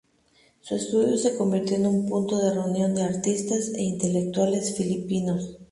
Su estudió se convirtió en un punto de reunión de artistas e intelectuales filipinos.